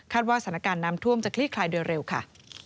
ว่าสถานการณ์น้ำท่วมจะคลี่คลายโดยเร็วค่ะ